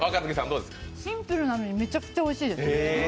シンプルなのにめちゃくちゃおいしいです。